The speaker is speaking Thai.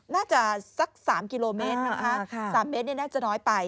สัก๓กิโลเมตรนะคะ๓เมตรน่าจะน้อยไป